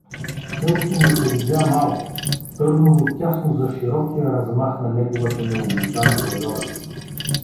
Селото му се видя малко, Търново тясно за широкия размах на неговата необуздана природа.